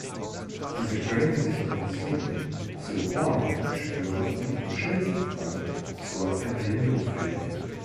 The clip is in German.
Diese können sich entzünden, zu Hornhaut-Geschwüren und im schlimmsten Fall zur Erblindung führen.